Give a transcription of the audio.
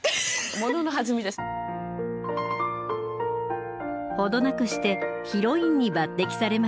ほどなくしてヒロインに抜てきされました。